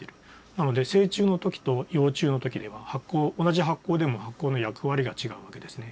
なので成虫の時と幼虫の時では同じ発光でも発光の役割が違うわけですね。